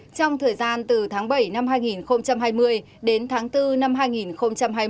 trong thời gian từ tháng bảy năm hai nghìn hai mươi đến tháng bốn năm hai nghìn hai mươi